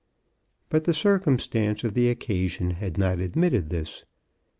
But the circumstance of the occasion had not admitted this.